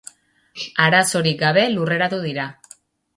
Arazorik gabe lurreratu dira.